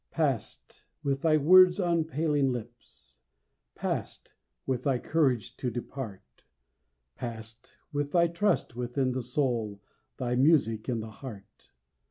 Passed with thy words on paling lips, Passed with thy courage to depart; Passed with thy trust within the soul, Thy music in the heart.